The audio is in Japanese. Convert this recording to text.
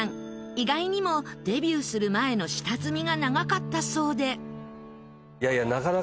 意外にもデビューする前の下積みが長かったそうで。